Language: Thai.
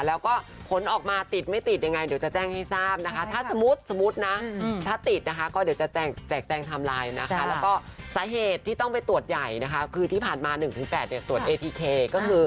แล้วก็ผลออกมาติดไม่ติดยังไงเดี๋ยวจะแจ้งให้ทราบนะคะ